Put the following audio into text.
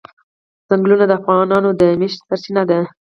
چنګلونه د افغانانو د معیشت سرچینه ده.